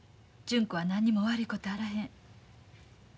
純子は何にも悪いことあらへん。